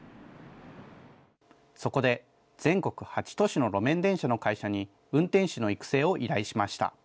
そこで、全国８都市の路面電車の会社に、運転士の育成を依頼しました。